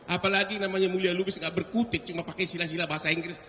apalagi namanya mulia lubis gak berkutik cuma pakai sila sila bahasa inggris